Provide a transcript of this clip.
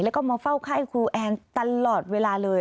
แล้วก็มาเฝ้าไข้ครูแอนตลอดเวลาเลย